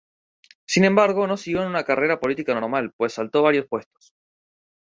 Sin embargo, no siguió una carrera política normal, pues saltó varios puestos.